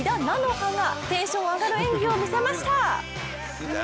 花がテンション上がる演技を見せました。